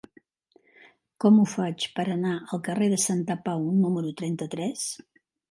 Com ho faig per anar al carrer de Santapau número trenta-tres?